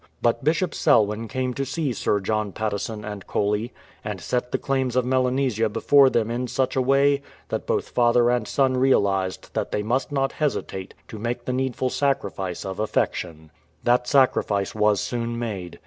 But Bishop Selwyn came to see Sir John Patteson and Coley, and set the claims of Melanesia before them in such a way that both father and son realized that they must not hesitate to make the needful sacrifice of affection. That sacrifice was soon made.